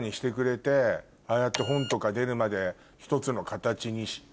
ああやって本とか出るまで１つの形に。